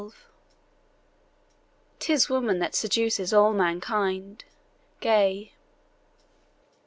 'Tis woman that seduces all mankind. GAY.